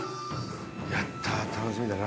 やったぁ楽しみだな。